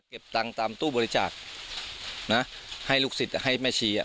ตังค์ตามตู้บริจาคนะให้ลูกศิษย์ให้แม่ชีอ่ะ